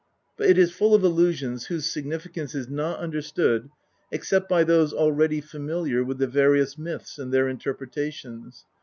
But it is full of allusions whose significance is not understood except by those already familiar with the various myths and their interpretations.